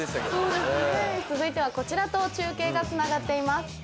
続いてはこちらと中継がつながっています。